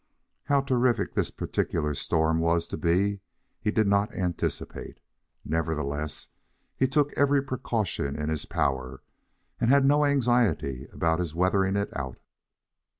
How terrific this particular storm was to be he did not anticipate. Nevertheless, he took every precaution in his power, and had no anxiety about his weathering it out.